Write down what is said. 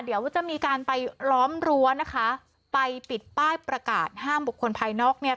เดี๋ยวจะมีการไปล้อมรั้วนะคะไปปิดป้ายประกาศห้ามบุคคลภายนอกเนี่ย